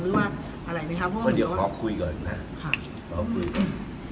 หรือว่าอะไรไหมครับก็เดี๋ยวขอคุยก่อนนะขอคุยก่อน